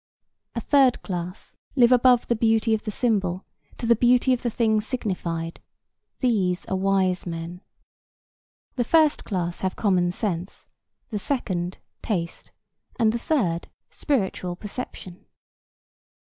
A third class live above the beauty of the symbol to the beauty of the thing signified; these are wise men. The first class have common sense; the second, taste; and the third, spiritual perception.